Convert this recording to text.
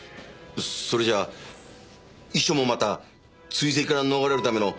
それじゃ遺書もまた追跡から逃れるための方便だと？